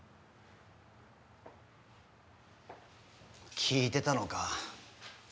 聞いてたのか。